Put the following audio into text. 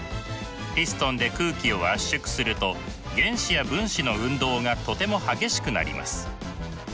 ピストンで空気を圧縮すると原子や分子の運動がとても激しくなります。